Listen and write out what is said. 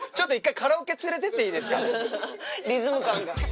リズム感が。